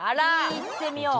いってみよう。